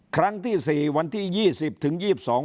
ครั้งที่สี่วันที่ยี่สิบถึงยี่สิบสอง